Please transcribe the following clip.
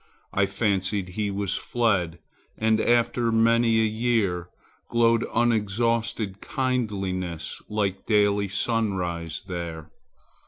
I fancied he was fled, And, after many a year, Glowed unexhausted kindliness Like daily sunrise there.